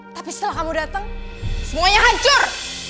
tapi setelah kamu datang semuanya hancur